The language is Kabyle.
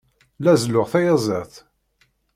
La zelluɣ tayaziḍt.